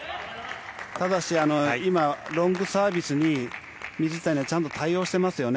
ただし、今ロングサービスに水谷はちゃんと対応していますよね。